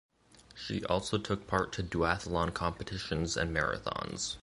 She also took part to duathlon competitions and marathons.